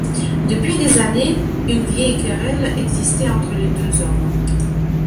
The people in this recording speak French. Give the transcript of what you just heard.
Depuis des années, une vieille querelle existait entre les deux hommes.